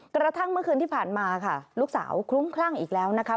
กระทั่งเมื่อคืนที่ผ่านมาค่ะลูกสาวคลุ้มคลั่งอีกแล้วนะคะ